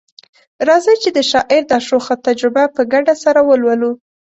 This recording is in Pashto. راځئ چي د شاعر دا شوخه تجربه په ګډه سره ولولو